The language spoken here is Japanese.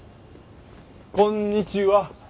こんにちは。